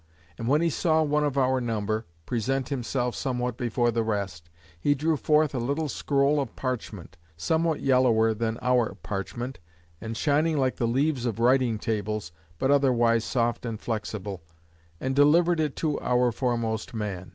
And when he saw one of our number, present himself somewhat before the rest, he drew forth a little scroll of parchment (somewhat yellower than our parchment, and shining like the leaves of writing tables, but otherwise soft and flexible,) and delivered it to our foremost man.